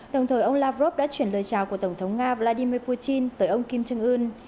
đồng thời ông lavrov đã chuyển lời chào của tổng thống nga vladimir putin tới ông kim trương ưn